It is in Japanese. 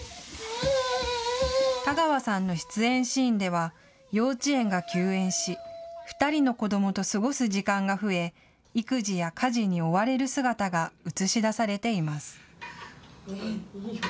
田川さんの出演シーンでは幼稚園が休園し２人の子どもと過ごす時間が増え育児や家事に追われる姿が映し出されています。